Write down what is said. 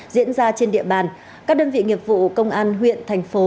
diễn ra trên địa bàn các đơn vị nghiệp vụ công an huyện thành phố